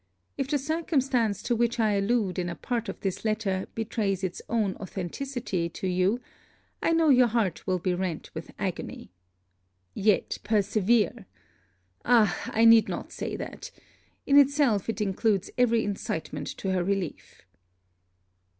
If the circumstance to which I allude in a part of this letter betrays its own authenticity to you, I know your heart will be rent with agony. Yet, persevere! Ah! I need not say that! in itself, it includes every incitement to her relief.